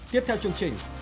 tiếp theo chương trình